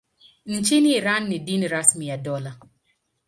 Nchini Iran ni dini rasmi ya dola.